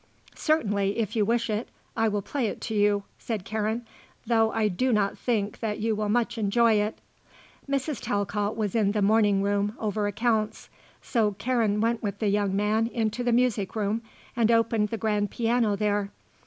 "Certainly, if you wish it, I will play it to you," said Karen, "though I do not think that you will much enjoy it." Mrs. Talcott was in the morning room over accounts; so Karen went with the young man into the music room and opened the grand piano there.